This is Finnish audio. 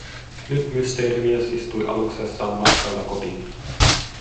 Nyt Mysteerimies istui aluksessaan matkalla kotiin.